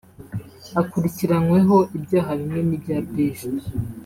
akurikiranyweho ibyaha bimwe n’ibya Brig